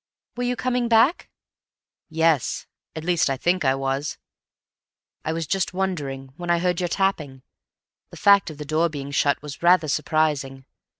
"Were you coming back?" "Yes. At least I think I was. I was just wondering when I heard you tapping. The fact of the door being shut was rather surprising.